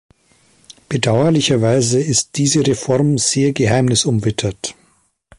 Bedauerlicherweise ist diese Reform sehr geheimnisumwittert.